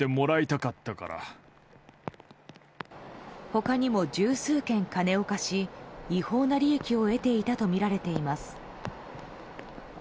他にも十数件、金を貸し違法な利益を得ていたとみられています。